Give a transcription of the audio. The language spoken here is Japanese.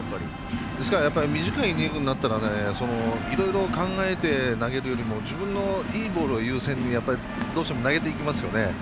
短いイニングになったらいろいろ考えて投げるよりも自分のいいボールを優先にどうしても投げていきますからね。